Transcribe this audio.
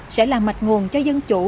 sẽ là mạch nguồn cho dân chủ